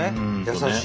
優しい。